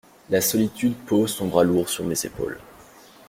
La solitude pose son bras lourd sur mes épaules.